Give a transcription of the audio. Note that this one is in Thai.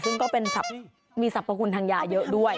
ซึ่งก็เป็นมีสรรพคุณทางยาเยอะด้วย